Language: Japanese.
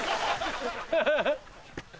ハハハ！